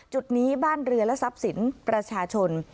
จุดนี้บ้านเรือและทรัพย์สินประชาชน